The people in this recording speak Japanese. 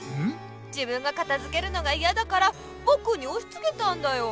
自分がかたづけるのがいやだからぼくにおしつけたんだよ。